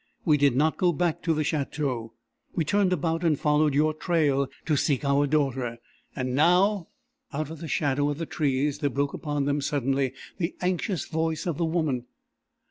We did not go back to the Château. We turned about and followed your trail, to seek our daughter. And now...." Out of the shadow of the trees there broke upon them suddenly the anxious voice of the woman.